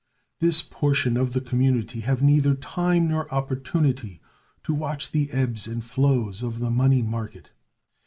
This portion of the community have neither time nor opportunity to watch the ebbs and flows of the money market.